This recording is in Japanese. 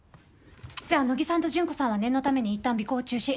じゃあ野木さんと純子さんは念のためにいったん尾行を中止。